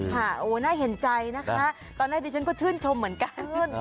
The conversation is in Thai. โอ้น่าเห็นใจนะคะตอนแรกดิฉันก็ชื่นชมเหมือนกัน